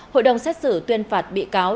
hội đồng xét xử tuyên phạt bị cáo